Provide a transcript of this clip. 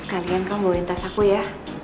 sekalian kamu bawa intas aku ya